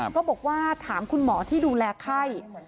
ก็บอกว่าถามคุณหมอที่ดูแลไข้